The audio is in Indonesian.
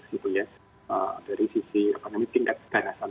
nah ini adalah sisi pandemi tingkat keganasan